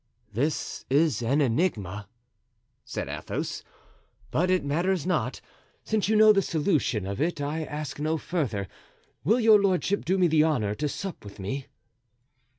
"This is an enigma," said Athos, "but it matters not; since you know the solution of it I ask no further. Will your lordship do me the honor to sup with me?"